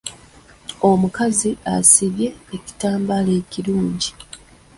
Omukazi asibye ekitambaala ekirungi.